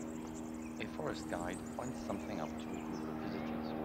A forest guide points something up to a group of visitors.